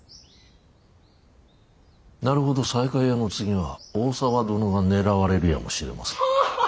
なるほど西海屋の次は大沢殿が狙われるやもしれませぬな。